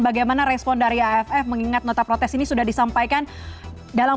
bagaimana respon aff mengingat banyak sekali desakan dari khususnya pecinta bola tanah